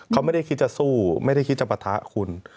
เขาไม่ได้คิดจะสู้ไม่ได้คิดจะปะทะคุณ